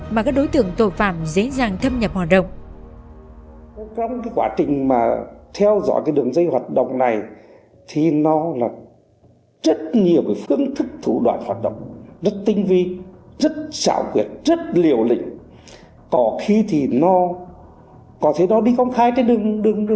mà các đối tượng tội phạm dễ dàng thâm nhập hoạt động